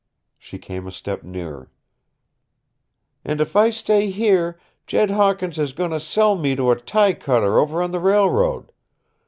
She came a step nearer. "And if I stay here Jed Hawkins is goin' to sell me to a tie cutter over on the railroad.